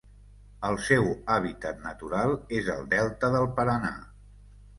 El seu hàbitat natural és el delta del Paraná.